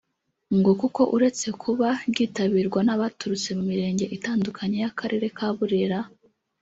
ngo kuko uretse kuba ryitabirwa n’ abaturutse mu mirenge itandukanye y’Akarere ka Burera